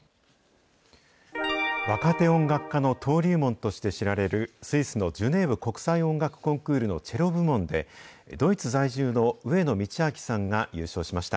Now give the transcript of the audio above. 若手音楽家の登竜門として知られる、スイスのジュネーブ国際音楽コンクールのチェロ部門で、ドイツ在住の上野通明さんが優勝しました。